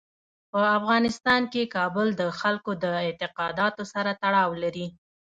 په افغانستان کې کابل د خلکو د اعتقاداتو سره تړاو لري.